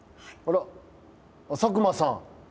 あら佐久間さん。